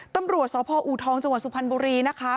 ตำรวจสพอูทองจังหวัดสุพรรณบุรีนะคะ